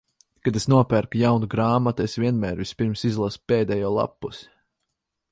Kad es nopērku jaunu grāmatu, es vienmēr vispirms izlasu pēdējo lappusi.